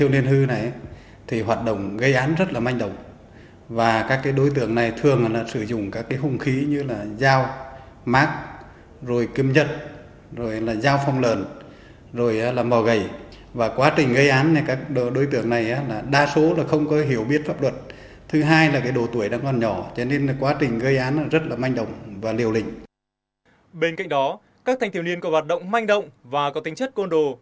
bên cạnh đó các thanh thiếu niên có hoạt động manh động và có tính chất côn đồ